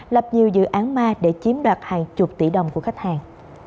lập nhiều dự án ma để chiếm đoạt hàng chục tỷ đồng của khách hàng